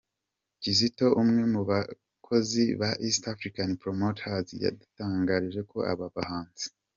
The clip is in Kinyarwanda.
Kizito ,umwe mu bakozi ba East African Promotors, yadutangarije ko aba bahanzi.